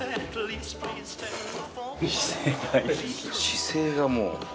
姿勢がもう。